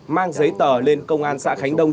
mang giấy tờ lên công an xã khánh đông